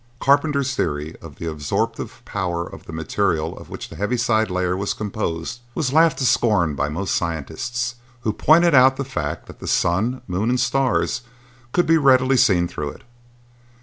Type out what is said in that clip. Carpenter's theory of the absorptive powers of the material of which the heaviside layer was composed was laughed to scorn by most scientists, who pointed out the fact that the sun, moon and stars could be readily seen through it.